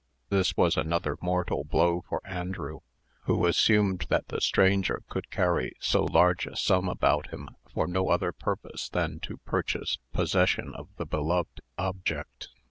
This was another mortal blow for Andrew, who assumed that the stranger could carry so large a sum about him for no other purpose than to purchase possession of the beloved object.